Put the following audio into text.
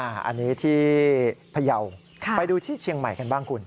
อันนี้ที่พยาวไปดูที่เชียงใหม่กันบ้างคุณ